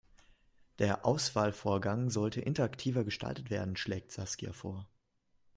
Der Auswahlvorgang sollte interaktiver gestaltet werden, schlägt Saskia vor.